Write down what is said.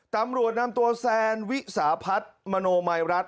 ตำรวจนำตัวแซนวิสาผัสมโนไมรัส